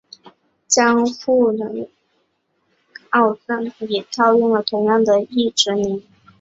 江户城以外大名家大奥的女中阶层也套用了同样的役职名。